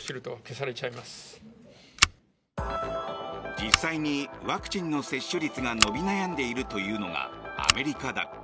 実際にワクチンの接種率が伸び悩んでいるというのがアメリカだ。